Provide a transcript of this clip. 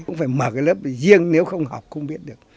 cũng phải mở cái lớp để riêng nếu không học không biết được